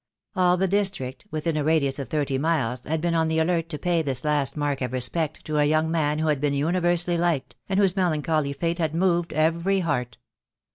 All the district, within a radius of thirty miles, had been on the alert to pay this last mark of respect to a young man who had been universally liked, and whose melancholy fate had moved every heart.